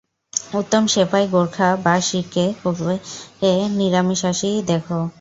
উত্তম সেপাই গোরখা বা শিখ কে কবে নিরামিষাশী দেখ।